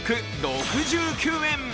６９円